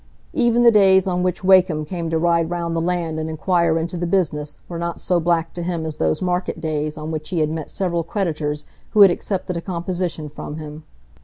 Even the days on which Wakem came to ride round the land and inquire into the business were not so black to him as those market days on which he had met several creditors who had accepted a composition from him.